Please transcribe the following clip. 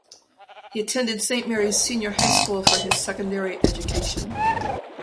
He attended St Marys Senior High School for his secondary education.